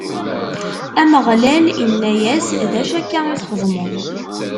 Ameɣlal inna-yas: D acu akka i txedmeḍ?